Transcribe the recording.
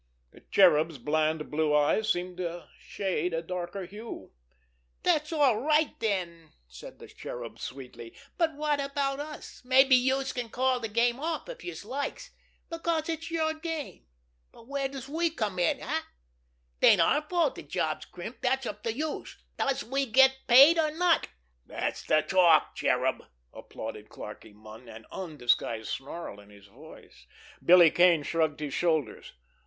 The Cherub's bland, blue eyes seemed to shade a darker hue. "Dat's all right, den," said the Cherub sweetly. "But wot about us? Mabbe youse can call de game off if youse likes, 'cause it's yer game, but where does we come in? 'Tain't our fault de job's crimped—dat's up to youse. Does we get paid or not?" "Dat's de talk, Cherub!" applauded Clarkie Munn, an undisguised snarl in his voice. Billy Kane shrugged his shoulders.